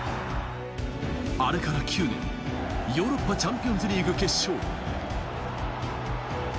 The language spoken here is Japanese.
あれから９年、ヨーロッパチャンピオンズリーグ決勝。